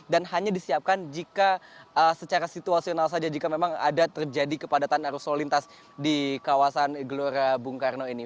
dan hanya disiapkan jika secara situasional saja jika memang ada terjadi kepadatan arus lintas di kawasan gelora bung karno ini